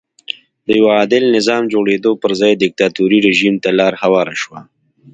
د یوه عادل نظام جوړېدو پر ځای دیکتاتوري رژیم ته لار هواره شوه.